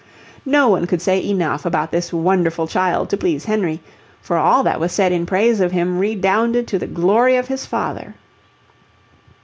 No one could say enough about this wonderful child to please Henry, for all that was said in praise of him redounded to the glory of his father.